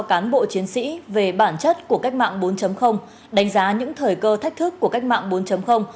cán bộ chiến sĩ về bản chất của cách mạng bốn đánh giá những thời cơ thách thức của cách mạng bốn